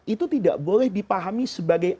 itu tidak boleh dipahami sebagai